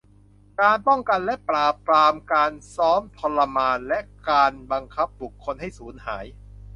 การป้องกันและปราบปรามการซ้อมทรมานและการบังคับบุคคลให้สูญหาย